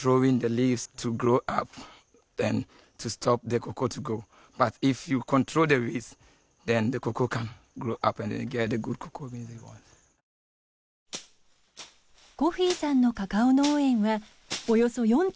コフィさんのカカオ農園はおよそ４．８ヘクタール。